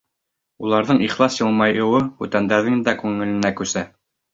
Уларҙың ихлас йылмайыуы бүтәндәрҙең дә күңеленә күсә.